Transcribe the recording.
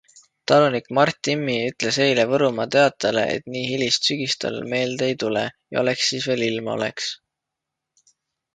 Talunik Mart Timmi ütles eile Võrumaa Teatajale, et nii hilist sügist tal meelde ei tule ja oleks siis veel ilma oleks.